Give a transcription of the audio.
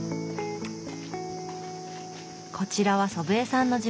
こちらは祖父江さんの事務所。